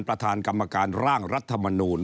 ประธานกรรมการร่างรัฐมนูล